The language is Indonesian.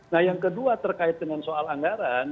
nah yang kedua terkait dengan soal anggaran